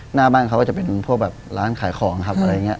หน้าบ้านเขาก็จะเป็นพวกแบบร้านขายของครับอะไรอย่างนี้